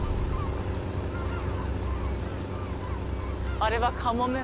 あれはカモメか？